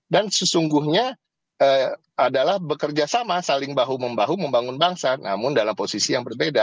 dan sesungguhnya adalah bekerja sama saling bahu membahu membangun bangsa namun dalam posisi yang berbeda